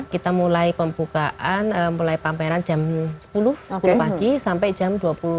kita mulai pembukaan mulai pameran jam sepuluh sepuluh pagi sampai jam dua puluh